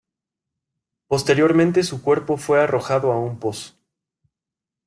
Posteriormente su cuerpo fue arrojado a un pozo.